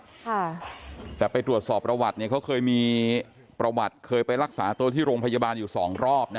ค่ะแต่ไปตรวจสอบประวัติเนี่ยเขาเคยมีประวัติเคยไปรักษาตัวที่โรงพยาบาลอยู่สองรอบนะ